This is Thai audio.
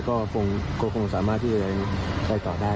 ก็กลัวคงสามารถที่จะได้ใช้ต่อได้